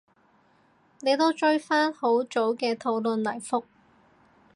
你都追返好早嘅討論嚟覆